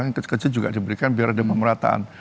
gatis gatis juga diberikan biar ada pemerataan